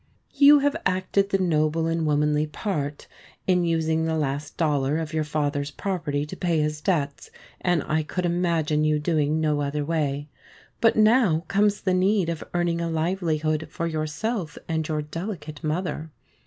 You have acted the noble and womanly part, in using the last dollar of your father's property to pay his debts, and I could imagine you doing no other way. But now comes the need of earning a livelihood for yourself, and your delicate mother.